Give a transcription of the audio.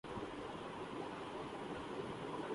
جی جی حدید نے امید سے ہونے کی تصدیق کردی